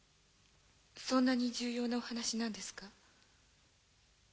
そんなに重要なお話なんですか？